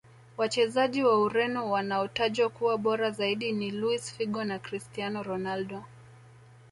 Wachezaji wa ureno wanaotajwa kuwa bora zaidi ni luis figo na cristiano ronaldo